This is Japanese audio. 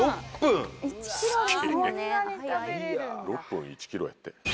６分１ｋｇやって。